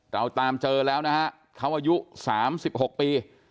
เราตามเจอแล้วนะฮะเขาอายุ๓๖ปี